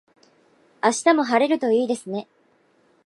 明日も晴れるといいですね。